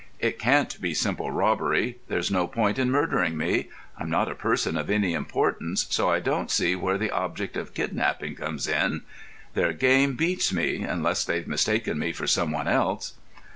It can't be simple robbery. There's no point in murdering me. I'm not a person of any importance, so I don't see where the object of kidnapping comes in. Their game beats me, unless they've mistaken me for someone else."